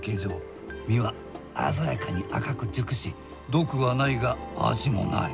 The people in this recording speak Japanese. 実は鮮やかに赤く熟し毒はないが味もない。